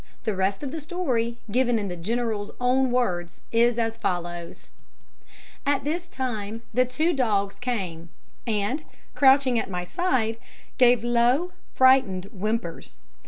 The rest of the story, given in the General's own words, is as follows: "At this time the two dogs came, and, crouching at my side, gave low, frightened whimpers.